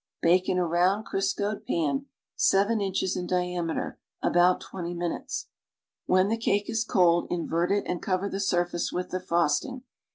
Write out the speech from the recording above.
Bake in a round Criscoed pan (seven inches in diameter) about twenty minutes. When the cake is cold, invert it and cover the surface with the frosting.